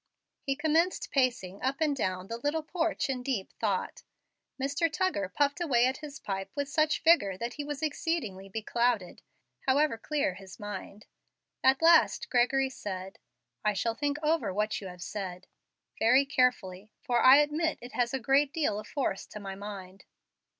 He commenced pacing up and down the little porch in deep thought. Mr. Tuggar puffed away at his pipe with such vigor that he was exceedingly beclouded, however clear his mind. At last Gregory said, "I shall think over what you have said, very carefully, for I admit it has a great deal of force to my mind."